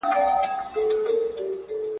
o لږ به خورم ارام به اوسم.